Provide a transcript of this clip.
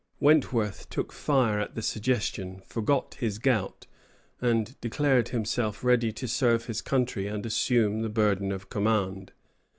Wentworth took fire at the suggestion, forgot his gout, and declared himself ready to serve his country and assume the burden of command.